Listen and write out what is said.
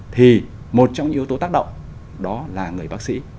thì một trong những yếu tố tác động đó là người bác sĩ